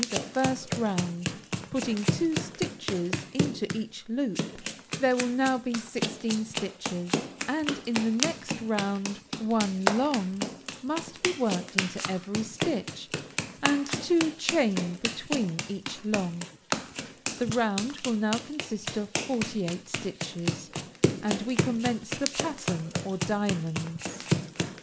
the first round, putting two stitches into each loop; there will now be sixteen stitches and in the next round one long must be worked into every stitch, and two chain between each long; the round will now consist of forty eight stitches, and we commence the pattern, or diamonds.